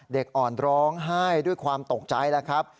เด็กอ่อนร้องไห้ด้วยความตกใจแล้วครับ